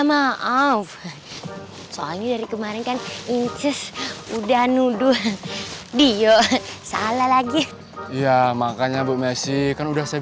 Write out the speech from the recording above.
maaf soalnya dari kemarin kan inces udah nuduh dia salah lagi ya makanya bu masih kan udah saya